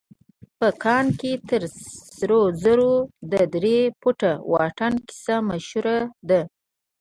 په کان کې تر سرو زرو د درې فوټه واټن کيسه مشهوره ده.